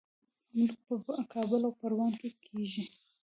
املوک په کابل او پروان کې کیږي.